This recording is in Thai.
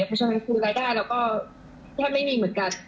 เพราะฉะนั้นคุณรายได้เราก็แทบไม่มีเหมือนกัน